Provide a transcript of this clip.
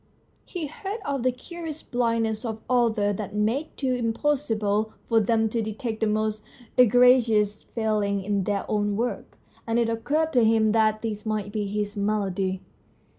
He heard of the curious blindness of authors that made it im possible for them to detect the most egregious failings in their own work, and it occurred to him that this might be his malady.